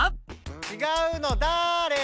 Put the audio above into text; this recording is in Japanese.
ちがうのだーれだ！